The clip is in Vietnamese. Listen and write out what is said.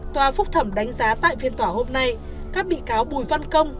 tòa phúc thẩm đánh giá tại phiên tòa hôm nay các bị cáo bùi văn công